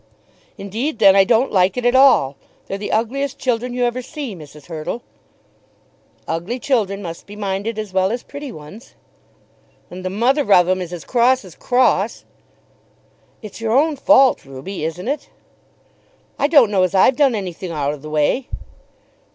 "Indeed then I don't like it at all. They're the ugliest children you ever see, Mrs. Hurtle." "Ugly children must be minded as well as pretty ones." "And the mother of 'em is as cross as cross." "It's your own fault, Ruby; isn't it?" "I don't know as I've done anything out of the way."